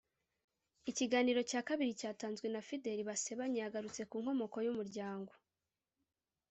ikiganiro cya kabiri cyatanzwe na fideli basebanya. yagarutse ku nkomoko y’umuryango